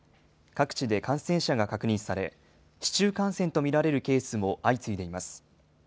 各地で感染者が確認され、市中感染と見られるケースも相次いでいます。